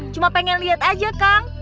cuma pengen lihat aja kang